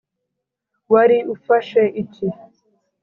wari ufashe iki ?